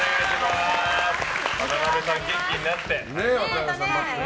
渡邊さん、元気になってね。